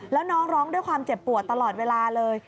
แล้วน้องร้องด้วยความเจ็บปวดตลอดเวลาเลย